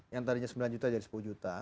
yang tadinya sembilan juta jadi sepuluh juta